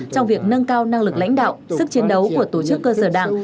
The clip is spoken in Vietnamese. trong việc nâng cao năng lực lãnh đạo sức chiến đấu của tổ chức cơ sở đảng